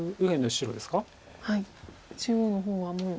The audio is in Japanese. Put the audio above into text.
中央の方はもう。